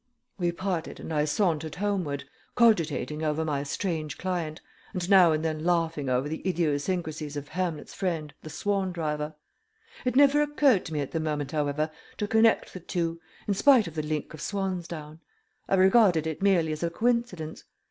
We parted and I sauntered homeward, cogitating over my strange client, and now and then laughing over the idiosyncrasies of Hamlet's friend the swan driver. It never occurred to me at the moment however to connect the two, in spite of the link of swan's down. I regarded it merely as a coincidence.